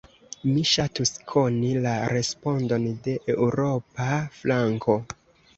Mi ŝatus koni la respondon de eŭropa flanko.